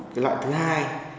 cái loại thứ hai